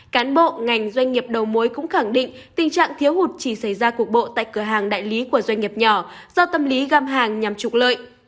cán bộ ngành doanh nghiệp đầu mối cũng khẳng định tình trạng thiếu hụt chỉ xảy ra cuộc bộ tại cửa hàng đại lý của doanh nghiệp nhỏ do tâm lý găm hàng nhằm trục lợi